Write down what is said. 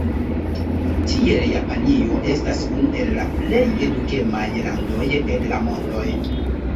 Tiel Japanio estas unu el la plej edukemaj landoj en la mondoj.